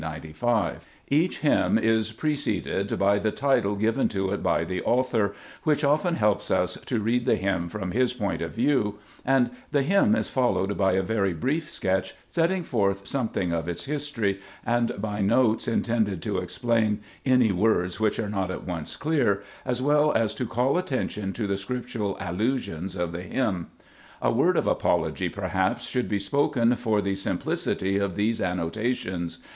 Each hymn is preceded by the title given to it by the author, which often helps us to read the hymn from his point of view ; and the hymn is followed by a very brief sketch setting forth something of its history, and by notes intended to explain any words which are not at once clear, as well as to call attention to the Scriptural allusions of the hymn. A word of apology, perhaps, should be spoken for the simplicity of these annota tions.